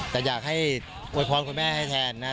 แต่อยากให้อวยพรคุณแม่ให้แทนนะ